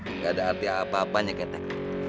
nggak ada arti apa apanya ketek